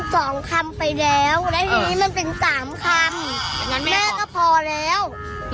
หนูของไม่อยากอ้วน